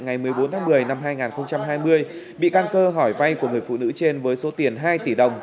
ngày một mươi bốn tháng một mươi năm hai nghìn hai mươi bị can cơ hỏi vay của người phụ nữ trên với số tiền hai tỷ đồng